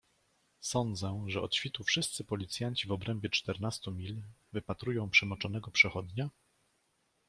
"Sądzę, że od świtu wszyscy policjanci w obrębie czternastu mil wypatrują przemoczonego przechodnia?"